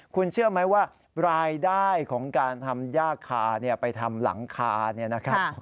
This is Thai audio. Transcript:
คุณเชื่อไหมว่ารายได้ของการทำย่าคาไปทำหลังคาเนี่ยนะครับ